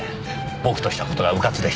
僕とした事がうかつでした。